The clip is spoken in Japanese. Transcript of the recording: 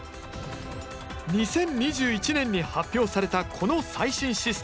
２０２１年に発表されたこの最新システム。